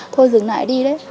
thôi dừng lại đi đấy